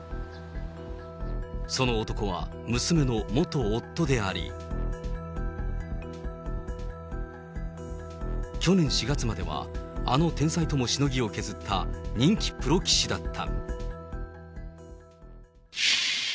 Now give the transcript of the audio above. その男は娘の元夫であり、去年４月まではあの天才ともしのぎを削った人気プロ棋士だった。